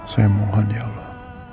saya mohon ya allah